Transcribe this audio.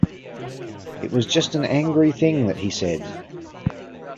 It was just an angry thing that he said.